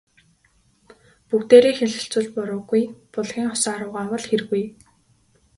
Бүгдээрээ хэлэлцвэл буруугүй, булгийн усаар угаавал хиргүй.